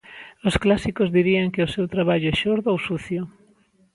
Os clásicos dirían que o seu traballo é xordo ou sucio.